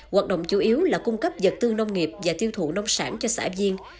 hoạt động chủ yếu là cung cấp vật tư nông nghiệp và tiêu thụ nông sản cho xã viên